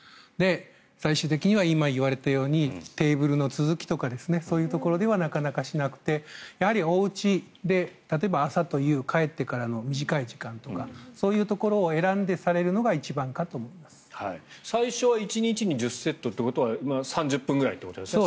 最終的には今言われたようにテーブルの続きとかそういうところではなかなかしなくてやはり、おうちで例えば朝と夕帰ってからの短い時間とかそういうところを選んでされるのが最初１日１０セットということは３０分ぐらいということですね